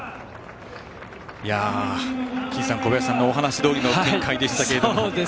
金さん、小林さんのお話どおりの展開でしたが。